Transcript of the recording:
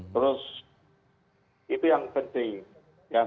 terus itu yang penting